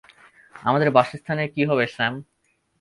আমাদের বাসস্থানের কী হবে, স্যাম?